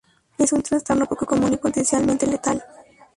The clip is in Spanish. Es un trastorno poco común y potencialmente letal.